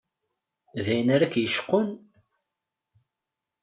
D ayen ara k-yecqun?